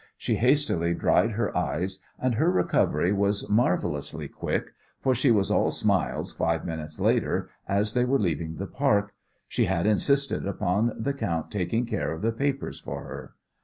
She hastily dried her eyes, and her recovery was marvellously quick, for she was all smiles five minutes later as they were leaving the park. She had insisted upon the count taking care of the papers for her.